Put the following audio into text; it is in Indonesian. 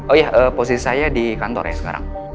oh iya posisi saya di kantor ya sekarang